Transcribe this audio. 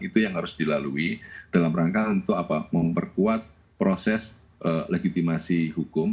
itu yang harus dilalui dalam rangka untuk memperkuat proses legitimasi hukum